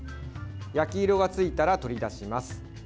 焼き色がついたら取り出します。